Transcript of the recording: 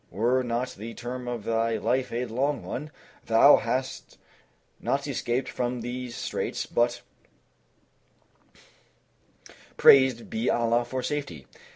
Were not the term of thy life a long one, thou hadst not escaped from these straits; but praised be Allah for safety!"